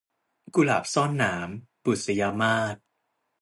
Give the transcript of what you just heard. กุหลาบซ่อนหนาม - บุษยมาส